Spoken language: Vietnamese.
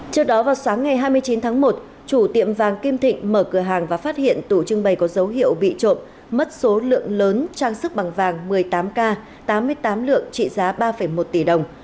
trước đó vào sáng ngày hai mươi chín tháng một chủ tiệm vàng kim thịnh mở cửa hàng và phát hiện tủ trưng bày có dấu hiệu bị trộm mất số lượng lớn trang sức bằng vàng một mươi tám k tám mươi tám lượng trị giá ba một tỷ đồng